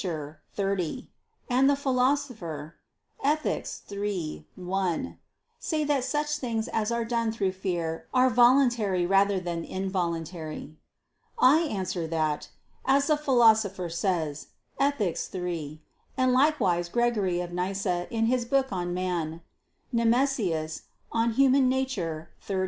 ] and the Philosopher (Ethic. iii, 1) say that such things as are done through fear are "voluntary rather than involuntary." I answer that, As the Philosopher says (Ethic. iii) and likewise Gregory of Nyssa in his book on Man (Nemesius, De Nat. Hom.